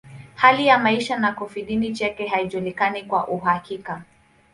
Hali ya maisha na kifodini chake haijulikani kwa uhakika.